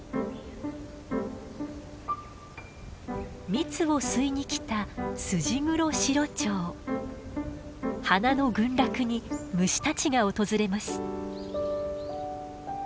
蜜を吸いに来た花の群落に虫たちが訪れます。